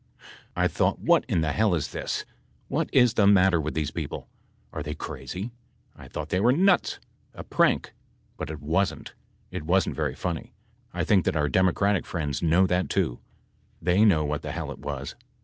I thought, what in the hell is this ? What is the matter with these people? Are they crazy? I thought they were nuts ! A prank ! But it wasn't ! It wasn't very funny. I think that our Democratic friends know that too. They know what the hell it was.